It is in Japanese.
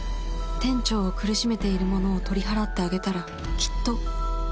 店長を苦しめているものを取り払ってあげたらきっと。